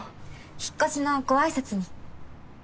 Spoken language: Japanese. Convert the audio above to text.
引っ越しのご挨拶に。